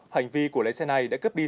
hành vi của lấy xe này đã cấp đi